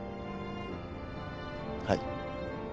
はい。